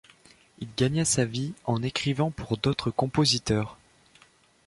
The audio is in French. Il gagna sa vie en écrivant pour d'autres compositeurs.